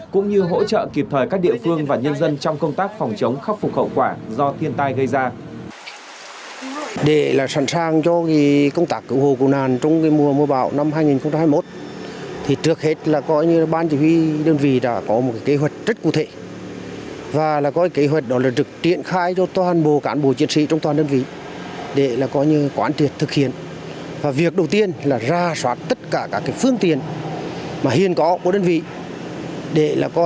cũng như hỗ trợ kịp thời các địa phương và nhân dân trong công tác phòng chống khắc phục khẩu quả do thiên tai gây ra